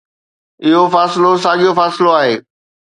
اهو فاصلو ساڳيو فاصلو آهي